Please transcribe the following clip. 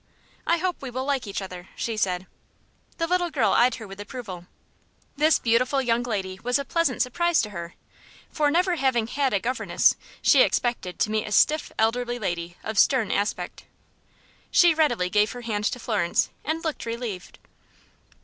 "I hope we will like each other," she said. The little girl eyed her with approval. This beautiful young lady was a pleasant surprise to her, for, never having had a governess, she expected to meet a stiff, elderly lady, of stern aspect. She readily gave her hand to Florence, and looked relieved.